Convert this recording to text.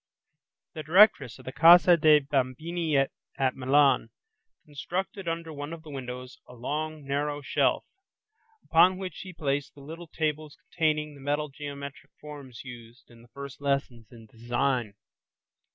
The Directress of the Casa dei Bambini at Milan constructed under one of the windows a long, narrow shelf upon which she placed the little tables containing the metal geometric forms used in the first lessons in design.